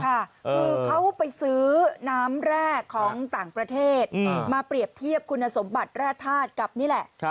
คือเขาไปซื้อน้ำแร่ของต่างประเทศมาเปรียบเทียบคุณสมบัติแร่ธาตุกับนี่แหละ